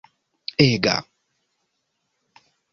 ega